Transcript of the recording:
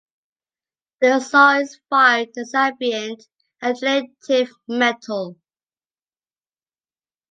The song is filed as ambient and alternative metal.